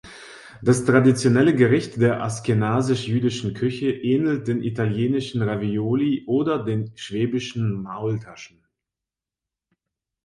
Das traditionelle Gericht der aschkenasisch-jüdischen Küche ähnelt den italienischen Ravioli oder den schwäbischen Maultaschen.